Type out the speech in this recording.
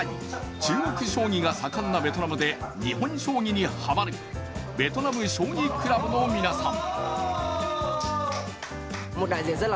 中国将棋が盛んなベトナムで日本将棋にハマるベトナム将棋倶楽部の皆さん。